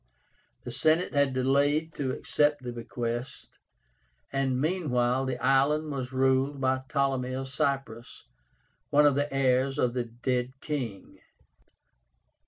The Senate had delayed to accept the bequest, and meanwhile the island was ruled by Ptolemy of Cyprus, one of the heirs of the dead king.